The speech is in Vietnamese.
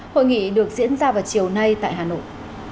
hội nghị được diễn ra vào chiều nay tại hà nội